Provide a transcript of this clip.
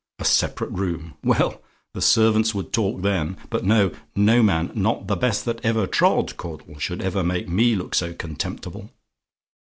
A separate room! Well, the servants would talk then! But no: no man not the best that ever trod, Caudle should ever make me look so contemptible.